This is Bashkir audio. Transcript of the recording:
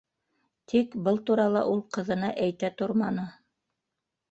Тик был турала ул ҡыҙына әйтә торманы.